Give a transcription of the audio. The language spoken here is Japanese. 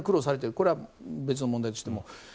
これは別の問題としても。